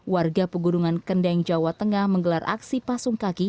warga pegunungan kendeng jawa tengah menggelar aksi pasung kaki